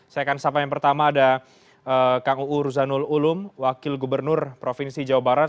saya akan sampaikan pertama ada kang uur zanul ulum wakil gubernur provinsi jawa barat